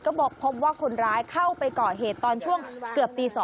ก็พบว่าคนร้ายเข้าไปก่อเหตุตอนช่วงเกือบตี๒